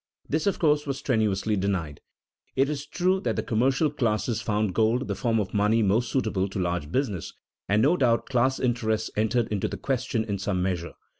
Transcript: This, of course, was strenuously denied. It is true that the commercial classes found gold the form of money most suitable to large business, and no doubt class interests entered into the question in some measure.